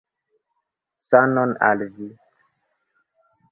Sanon al vi!